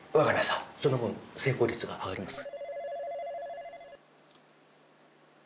その分成功率が上がります。